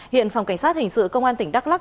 hiện phòng cảnh sát hình sự công an tỉnh đắk lắc